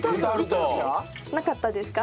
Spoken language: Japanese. なかったですか？